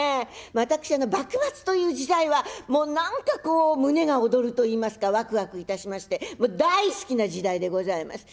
私幕末という時代は何かこう胸が躍るといいますかわくわくいたしましてもう大好きな時代でございます。